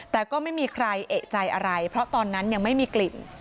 แต่ก็ไม่มีใครเอกใจอะไรเพราะตอนนั้นยังไม่มีกลิ่น